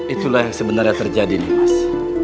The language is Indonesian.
itulah yang sebenarnya terjadi nimas